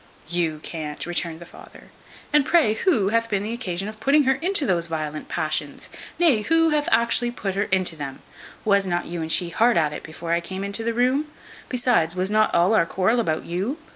"You can't!" returned the father: "and pray who hath been the occasion of putting her into those violent passions? Nay, who hath actually put her into them? Was not you and she hard at it before I came into the room? Besides, was not all our quarrel about you?